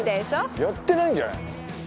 やってないんじゃないの？